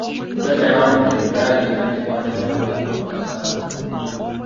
Uganda yawangudde emidaali ena n'ekwata kyakubiri mu mawanga ga Afirika.